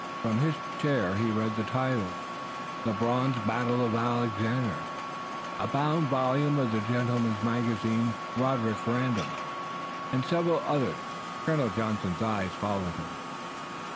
From his chair he read the titles, Le Brun's "Battles of Alexander," a bound volume of The Gentleman's Magazine, "Roderick Random," and several others. Colonel Johnson's eyes followed him.